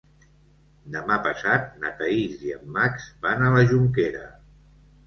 Demà passat na Thaís i en Max van a la Jonquera.